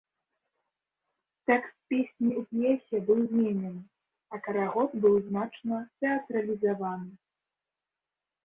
Тэкст песні у п'есе быў зменены, а карагод быў значна тэатралізаваны.